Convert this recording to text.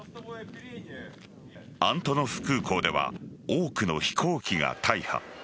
アントノフ空港では多くの飛行機が大破。